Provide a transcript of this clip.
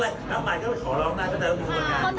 แล้วก็มาขอร้องอยู่นี่ไง